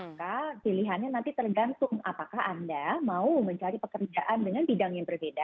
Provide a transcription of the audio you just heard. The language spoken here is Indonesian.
maka pilihannya nanti tergantung apakah anda mau mencari pekerjaan dengan bidang yang berbeda